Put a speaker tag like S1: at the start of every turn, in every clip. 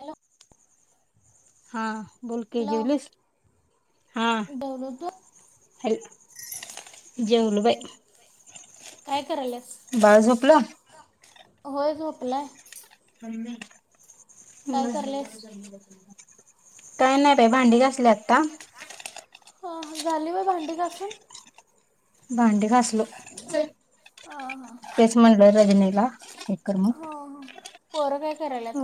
S1: Hello
S2: हा बोल की
S1: हॅलो
S2: जेवलीस हा.
S1: जेवलो तू?
S2: हॅलो. जेवलो बाई
S1: काय करायल्यत?
S2: बाळ झोपल.
S1: होय झोपलाय.
S2: पज [inaudible]
S1: काय
S2: हम्म.
S1: करायल्यास?
S2: काय नाय बाई भांडी घासले आता.
S1: ह ह झाली बई भांडी घासून.
S2: भांडी घास. हो चल
S1: हा हा.
S2: तेच म्हणल रजनीला हे कर मग.
S1: पोरगी अ हे. करायल्यात.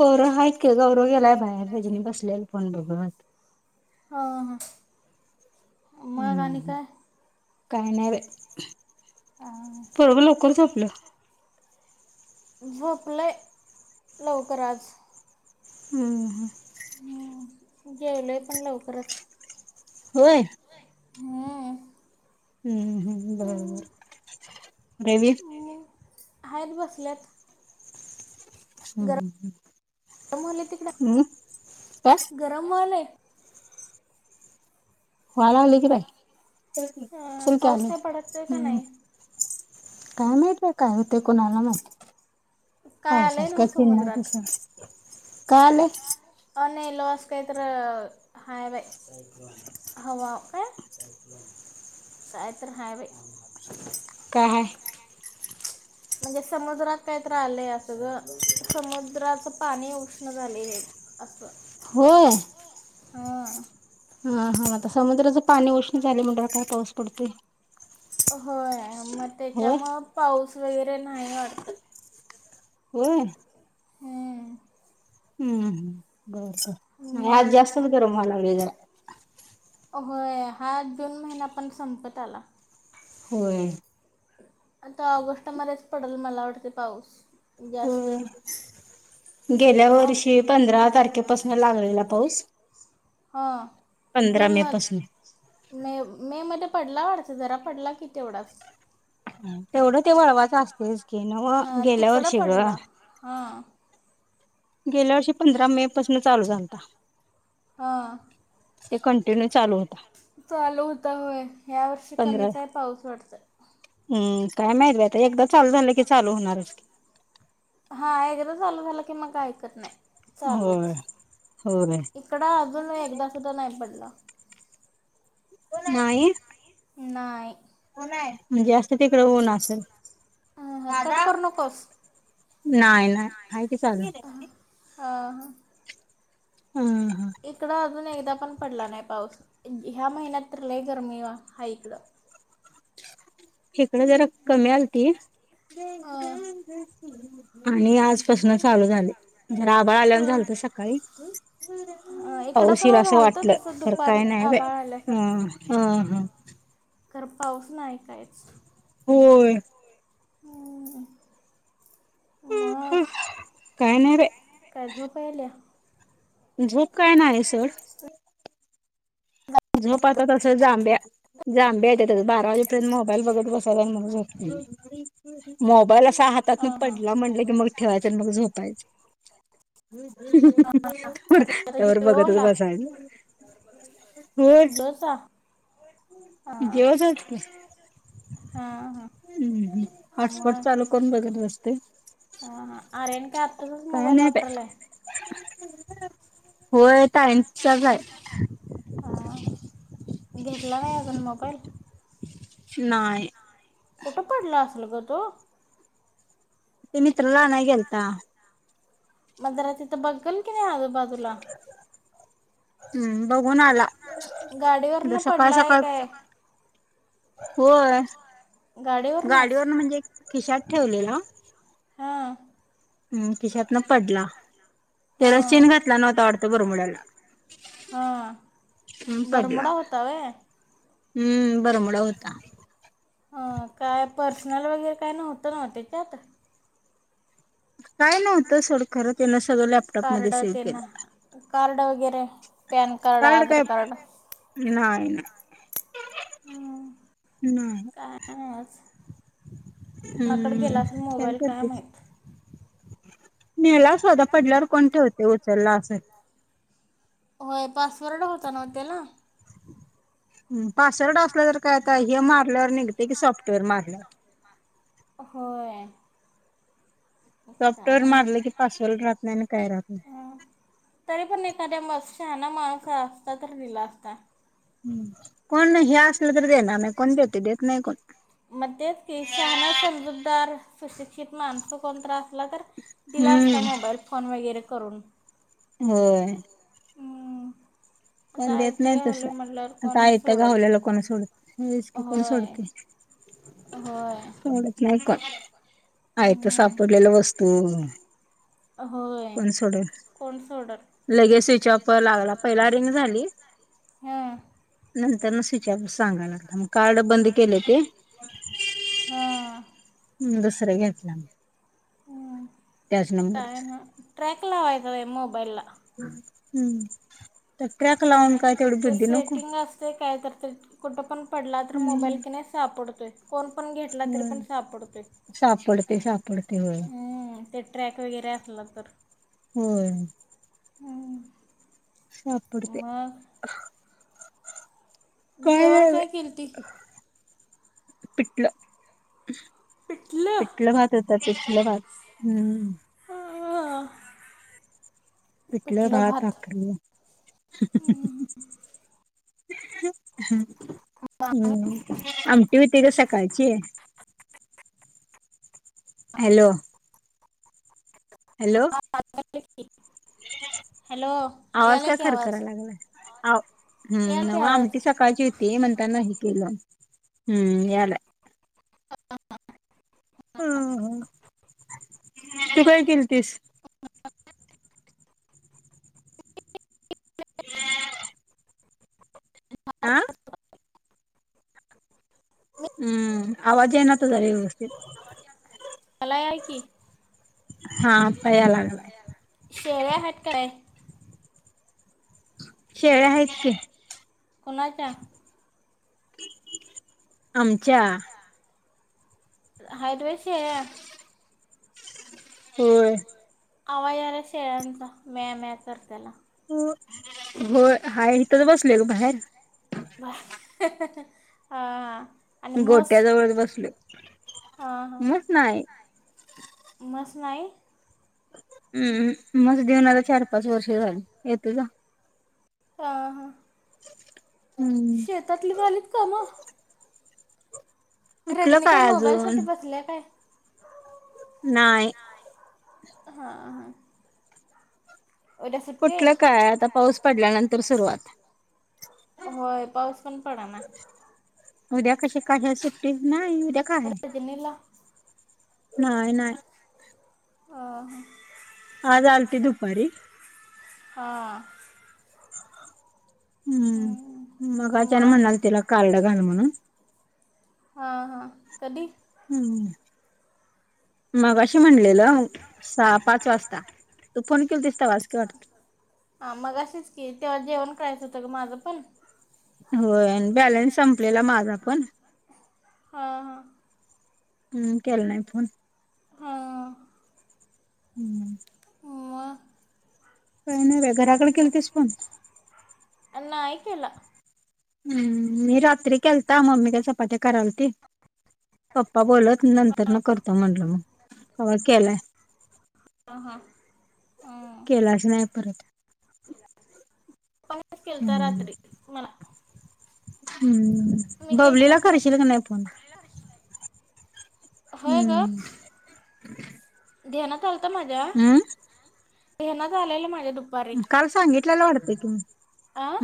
S2: पोर हाय की गौरव गेलाय बाहेर भजनी बसलेत फोन बघत.
S1: हा हा.
S2: हम्म
S1: मग आणि
S2: हम्म.
S1: काय?
S2: काय नई बय पोरग लवकर झोप ल
S1: झोपलय लवकर आज.
S2: हम्म हम्म.
S1: जेवलोय पण लवकरच.
S2: होय.
S1: हम्म.
S2: हम्म. हम्म बरबर. रेवी
S1: हायत बसल्यात.
S2: हम्म हम्म.
S1: अमोहोलय तिकड
S2: मग काय
S1: गरम होलय
S2: हो [unintelligible] आला आले की बाई
S1: अ
S2: चलक
S1: पाऊस
S2: आले
S1: काय पडतोय का
S2: हम्
S1: नाही?
S2: काय माहीत बई काय हो ते कोणाला माहीत. हो
S1: काय आलंय
S2: स [unintelligible]
S1: नव्ह
S2: का चन
S1: समुद्रात?
S2: सर काल.
S1: आणि लॉस कायतर हाय बई वज [unintelligible] हवा काय कायतर हाय बई
S2: काय हाय?
S1: म्हणजे समुद्रात काहीतर आलंय असं गं समुद्राचं पाणी उष्ण झालंय हे असं.
S2: हो.
S1: हां.
S2: हां हां आता समुद्राचं पाणी उष्ण झालंय म्हणाल्यावर काय पाऊस पडतोय?
S1: होय. मग
S2: होय
S1: त्याच्यामुळं पाऊस [unintelligible] नाही वाटतं.
S2: होय?
S1: हम्म.
S2: हम्म बर. नाही आज
S1: मग
S2: जास्तच गरम व्हाय लागलंय जरा.
S1: होय हा जून महिना पण संपत आला.
S2: होय
S1: आता ऑगस्टमध्येच पडल मला वाटतं पाऊस जास्त. ऑग
S2: गेल्यावर्षी पंधरा तारखेपासनं लागलेला पाऊस.
S1: हां.
S2: पंधरा
S1: जून
S2: मे
S1: म
S2: पासून
S1: मे मे मध्ये पडला वाटतं जरा पडला की तेवढाच.
S2: तेवढं ते वळवाचं असतंयच की नव
S1: हां
S2: गेल्या
S1: तिकडं
S2: वर्षी गं.
S1: पडला हां
S2: गेल्या वर्षी पंधरा मे पासनं चालू झालता.
S1: हां.
S2: ते कंटिन्यू चालू होता.
S1: चालू होता होय ह्या वर्षी
S2: पंधरा
S1: कमीच आहे पाऊस वाटतं.
S2: हम्म काय माहित बाई आता एकदा चालू झालं की चालू होणारच की.
S1: हां एकदा चालू झालं की मग काय ऐकत नाही.
S2: होय
S1: चालूच
S2: होय
S1: इकडं अजून एकदा सुद्धा नाही पडला.
S2: [unintelligible] नाही.
S1: नाय.
S2: [unintelligible] जास्त तिकडं ऊन असल?
S1: हां हां कट
S2: दादा,
S1: करू नकोस
S2: नाही नाही आहे की चालू. [unintelligible]
S1: हां हां.
S2: ह ह
S1: इकडं अजून एकदा पण पडला नाही पाऊस ह्या महिन्यात तर लय गरमी हाय इकडं.
S2: इकडं जरा कमी आलती
S1: हां
S2: [unintelligible] आणि आजपासनं चालू झालंय. जरा आभाळ आल्यावानी
S1: हां
S2: झालंत सकाळी [unintelligible]
S1: इकडं
S2: पाऊस येईल
S1: पण
S2: असं
S1: झालं तर
S2: वाटलं
S1: तसं
S2: खरं
S1: दुपारी
S2: काही नाही बाई
S1: आभाळ आल्यासारखं
S2: अम्म हं हं.
S1: खरं पाऊस नाही काहीच.
S2: होय.
S1: हम्म.
S2: हम्
S1: मग
S2: ह काय नाहीरे
S1: काय झोप यायल्या
S2: [inaudible] [unintelligible] काय नाही सोड झोप आता तस जांब्या जांब्या य बारा वाजेपर्यंत मोबाईल बघत बसा मोबाईल हातात मग
S1: हां हां
S2: पडला म्हटलं की मग ठेवायचं आणि मग झोपायच [inaudible]
S1: कुठला तर
S2: त्यावर बघतच
S1: जिओला
S2: बसायल
S1: जोसा [unintelligible]
S2: जेव जा की
S1: हां हां
S2: हम्म हॉटस्पॉट चालू करून बघलस्त ते
S1: ह आरन का आत
S2: काय
S1: मोबाईल
S2: नाही बाय
S1: वापरले
S2: होय ताईंचाच आहे
S1: [inaudible] घेत [unintelligible] मोबाईल
S2: नाही
S1: कुठं पडलं असल ग तो
S2: ते मित्रला आणायला गेलता
S1: मग जरा तिथं बघल की नाही आजूबाजूला
S2: हम्म बघून आला
S1: गाडीवरर न पडलाय काय
S2: हो
S1: गाडीवरनंच
S2: गाडीवरन म्हणजे खिशात ठेवले ना
S1: हां
S2: हम्म खिशात न पडला तेलास
S1: हां
S2: चेन घातला नव्हता वाटतं बरमोड्याला
S1: हां
S2: हम् पडला
S1: बरमुडा होता व्हय
S2: हम्म बरमडा होता
S1: अ काय पर्सनल वगैरे काय नव्हत त्यात
S2: ह काय नव्हतं सड खरं त्यांन सगळं लॅपटॉपमध्ये
S1: कार्ड
S2: सेव्ह
S1: ते ना
S2: केलं
S1: [unintelligible] पॅन कार्ड आधार कार्ड
S2: नाहीय ना
S1: हं,
S2: ना
S1: काय नाहीच
S2: हम्
S1: कोणाकडे गेला असेल मोबाईल काय
S2: [unintelligible]
S1: माहीत
S2: नेला असल आता पडल्यावर कोण ठेवतंय उचललं असेल.
S1: होय पासवर्ड होता नव्हं त्याला?
S2: हम्म पासवर्ड असला तर काय आता हे मारल्यावर निघतंय की सॉफ्टवेअर मारल्यावर.
S1: होय.
S2: सॉफ्टवेअर
S1: काय
S2: मारलं की
S1: नाही
S2: पासवर्ड राहत नाही आणि काय राहत नाही
S1: [unintelligible] तरी पण एखाद्या म शहाना माणूस असता तर दिला अस ता
S2: हम्म कोण हे असल तर देणार नाही कोण देतंय? देत नाही कोण.
S1: मग तेच की शहाणा, समजूतदार, सुशिक्षित माणसं कोण तर अस ला तर दिला असता
S2: हम्म
S1: मोबाईल फोन वगैरे करून.
S2: होय.
S1: हम्म. आता
S2: कोण देत
S1: आयतं
S2: नाही तसं
S1: घावलंय म्हटल्यावर
S2: आता
S1: कोण
S2: आयतं
S1: सोडल
S2: गावलेलं कोण सोडत होयच की कोण
S1: होय
S2: सोडतंय?
S1: होय.
S2: सोडत नाही कोण. आयतं
S1: हम्म
S2: सापडलेलं वस्तू
S1: होय.
S2: कोण सोडल?
S1: कोण सोडल
S2: लगे स्विच ऑप लागला पहिला
S1: हां
S2: [unintelligible] नंतरन स्विच ऑफ सांगाय लागला मग. कार्ड बंद केले ते
S1: [unintelligible] हां.
S2: हम्म दुसरं घेतलं मग.
S1: हम्म
S2: त्याच
S1: काय आणि
S2: नंबरचा
S1: म? ट्रॅक लावा [unintelligible] मोबाईलला.
S2: हम्म त ट्रॅक लावून
S1: हां
S2: काय तेवढी
S1: ते
S2: बुद्धी नको?
S1: सेटिंग असते काय तर ते कुठं पण पडला तर मोबाईल
S2: हम्म
S1: क नाही सापडतोय. कोण? करुन घेतला तरी पण
S2: होय
S1: सापडतोय,
S2: सापडते सापडते होय
S1: हम्म. ट्रॅक वगैरे असल तर.
S2: होय. सापडते.
S1: मग जेवण काय केलती.
S2: पिटलं.
S1: पिठलं
S2: पिटल भातच. पिटल भात हम्.
S1: हा.
S2: पिठल् भात भाकरी. हा [unintelligible] हम्म. आमटी होती ग सकाळची. हॅलो. हॅलो
S1: हॅलो
S2: आवाज
S1: यायला
S2: का
S1: की आवाज
S2: खरखराय लागलाय हम्म,
S1: याल की
S2: नव्हं
S1: आवाज
S2: आमटी सकाळची होती म्हणतान हे केलो. हम्म, यालाय.
S1: हा हा.
S2: ह ह तू काय केलतीस. हम [unintelligible] आ.. हम्म आवाजा येना तुझा वेवस्तीत.
S1: अलाय आहे की.
S2: हा. याय लागलाय.
S1: शेळ्या हाईत की काय.
S2: शेळ्या आहेत की.
S1: कोणाच्या.
S2: आमच्या.
S1: हाईत व्हय शेळ्या.
S2: होय.
S1: आवाज यायलाय शेळ्यांचा म्या-म्या करत्याला.
S2: होय हाय इथच बसलोय ग बाहेर.
S1: बाहेर हा, हा.
S2: गोट्या जवळच बसलोय
S1: हां हां
S2: म्हस नाही.
S1: म्हस नाही.
S2: हम्म म्हस देऊन आता चार-पाच वर्ष झाली, येतो जा
S1: आ, हा,
S2: हम्म
S1: शेतातली झालीत काम.
S2: कुठलं
S1: रजनी काय मोबाईल साठी
S2: अजून
S1: बसल्या काय.
S2: नाही.
S1: हा, हा.
S2: कुठलं काय आता पाऊस पडल्यानंतर सुरुवात.
S1: होय पाऊस पण पडना
S2: उद्या कशी कशाची सुट्टी नाही.
S1: अ तनला [unintelligible]
S2: नाहीय नाय.
S1: अ.
S2: आज आलती दुपारी.
S1: हा.
S2: हम्म मग अचानक म्हणाली तिला कार्ड घाल म्हणून.
S1: हा, हा कधी.
S2: हम्म. मगाशी म्हणलेलं सहा-पाच वाजता, तू फोन केलतीस तेव्हा च की वाटत.
S1: हा मगाशी च की तेव्हा जेवण करायचं होतं ग माझं पण.
S2: होय आणि बॅलन्स संपलेला माझा पण.
S1: हा हा.
S2: हम्म केलं नाही फोन.
S1: हां
S2: हम्म.
S1: मग
S2: काही नाही बाई. घराकडे केलतीस फोन?
S1: अ नाही केला.
S2: हम्म मी रात्री केलता मम्मी काय चपात्या करालती, पप्पा बोलत नंतर न करतो म्हटलं मग तेव्हा केलाय,
S1: हां हां हां
S2: केला च नाही परत.
S1: [inaudible] पप्पा नी च केलता
S2: हम्म
S1: रात्री मला.
S2: हम्म.
S1: मी काय केलं
S2: बबलीला
S1: असं
S2: करशील काय नाही फोन.
S1: होय ग
S2: हम्म
S1: ध्यान करतो माझ्यावर.
S2: हम्म
S1: हेनाच झालेला माझ्या डोकी
S2: काल सांगितलेलं वाटत ते तून.
S1: अं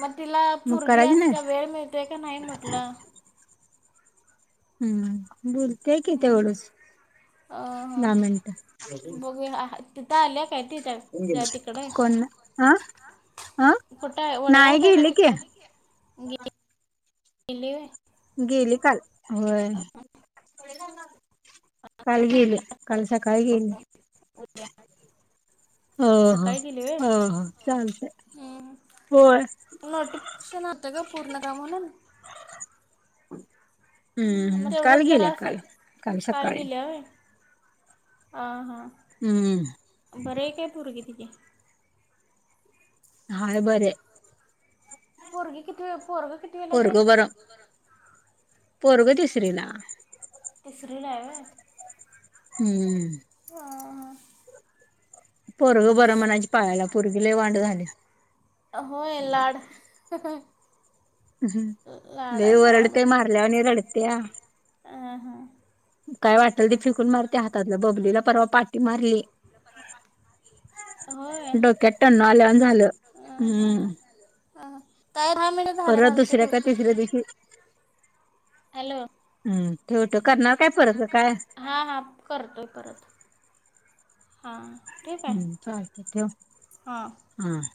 S1: मग तिला
S2: मग
S1: पोरगी
S2: करायची नाही
S1: असत्या वेळ मिळतोय का नाही म्हटलं.
S2: हम्म. बोलत्या कि तेवढच
S1: अ ह
S2: दहा मिनट.
S1: बघूया तिथं आल्या कायकी या तिकडे,
S2: हा हा
S1: कुठे
S2: नाही
S1: वडगावत आहे का
S2: गेले की
S1: तिकडे आहे? गेली होय.
S2: गेली काल होय. काल गेले काल सकाळी गेले.
S1: ध
S2: हो
S1: [unintelligible]
S2: हो
S1: सकाळी गेली व्हय? हो
S2: चालतय
S1: हं
S2: होय
S1: नोटिफिकेशन आलत ग. पूर्ण काम म्हणून.
S2: [inaudible] हम्म हम्म
S1: मग
S2: काल
S1: तेवढंच
S2: गेल्या
S1: जरासं
S2: काल. काल सकाळी.
S1: अं
S2: हम्म
S1: हं. बरे के पुरगी तिजी?
S2: हाय बरेहाय.
S1: पोरगी किती वी पोरग कितवीला ते?
S2: पोरगं तीसरी ला.
S1: तीसरीलाय व्हय?
S2: हम्म.
S1: हा
S2: पोरगं बरं म्हणायची पाळी आल्या पोरगी लई वांड झालीया.
S1: होय लाड हं, अ.
S2: हम. लई वरडते मारल्यानी रडत्या.
S1: आ, हां.
S2: [inaudible] काय वाटल ते फिकून मारते हातातलं बबलीला परवा पा डी मारली
S1: होय
S2: [unintelligible] डोक्यात टन वाल्या झाल. [inaudible]
S1: हां हां
S2: हम्म, [inaudible]
S1: हा काय दहा मिनिट झालं
S2: परत
S1: चालते
S2: दुसऱ्या का
S1: ठेवते
S2: तीसऱ्या दिवशी [inaudible]
S1: हॅलो, [inaudible]
S2: हं ठेव तो करणार काय? फरक काय? [inaudible]
S1: [inaudible] हा.
S2: हम्म चालतंय ठेव.
S1: हां
S2: [inaudible] हा. [inaudible]